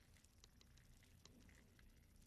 朝鲜最高领导人金正日也出席了此次会议。